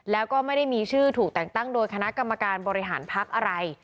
แล้วก็ไม่ได้มีชื่อถูกแต่งตั้งโดยคณะกรรมการบริหารพักอะไร